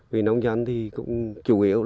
vì nông dân thì cũng chủ yếu là